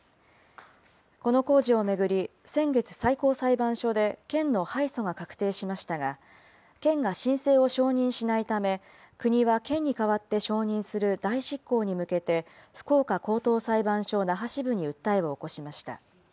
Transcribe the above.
この工事を巡り、先月、最高裁判所で県の敗訴が確定しましたが、県が申請を承認しないため、国は県に代わって承認する代執行に向けて福岡高等裁判所那覇支部に訴えを起こしました。